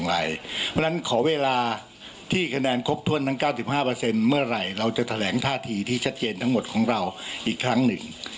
เพราะฉะนั้นขอเวลาที่คะแนนครบถ้วนทั้ง๙๕เมื่อไหร่เราจะแถลงท่าทีที่ชัดเจนทั้งหมดของเราอีกครั้งหนึ่ง